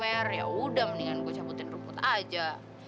ya sudah sebaiknya saya cabut rumput saja